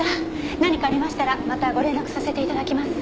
何かありましたらまたご連絡させていただきます。